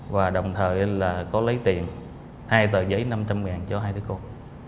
và đồng thời là có lấy tiền hai tờ giấy năm trăm linh cho hai đứa con